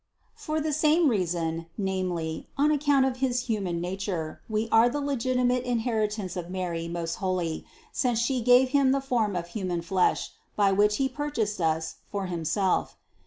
For the same reason, namely, on account of his human nature, we are the legitimate inheritance of Mary most holy, since She gave Him the form of human flesh by which He purchased us for Himself.